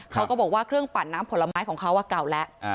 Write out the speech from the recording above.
เขาก็บอกว่าเครื่องปั่นน้ำผลไม้ของเขาเก่าแล้ว